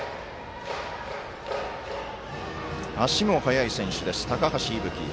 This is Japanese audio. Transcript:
足も速い選手です、高橋歩希。